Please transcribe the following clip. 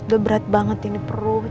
udah berat banget ini perut